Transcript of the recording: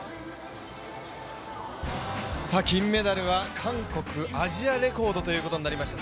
金メダルは韓国、アジアレコードということになりました。